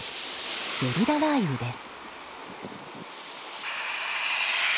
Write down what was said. ゲリラ雷雨です。